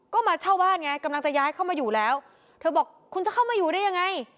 ก็มาเช่าบ้านไงกำลังจะย้ายเข้ามาอยู่แล้วเธอบอกคุณจะเข้ามาอยู่ได้ยังไง